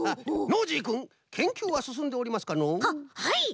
ノージーくんけんきゅうはすすんでおりますかの？ははい。